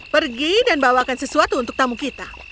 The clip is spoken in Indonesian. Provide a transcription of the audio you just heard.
pergi dan bawakan sesuatu untuk tamu kita